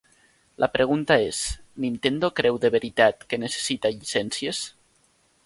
La pregunta és: Nintendo creu de veritat que necessita llicències?